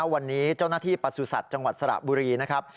วันนี้เจ้าหน้าที่ประสุทธิ์จังหวัดสระบุรีนะครับ